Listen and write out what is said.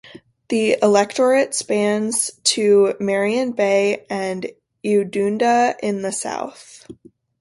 The electorate spans to Marion Bay and Eudunda in the south.